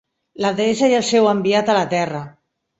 La deessa i el seu enviat a la terra.